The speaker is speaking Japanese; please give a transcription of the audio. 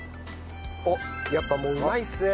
おっやっぱもううまいっすね。